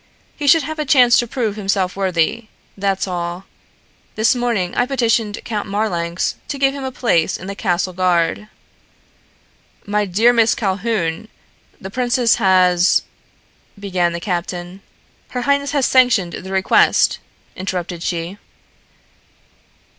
He should have a chance to prove himself worthy, that's all. This morning I petitioned Count Marlanx to give him a place in the Castle Guard." "My dear Miss Calhoun, the princess has " began the captain. "Her highness has sanctioned the request," interrupted she.